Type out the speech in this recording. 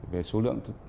về số lượng thực tế